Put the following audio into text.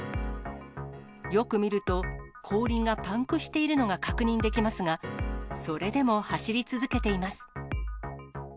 よく見ると、後輪がパンクしているのが確認できますが、それでも走り続けています。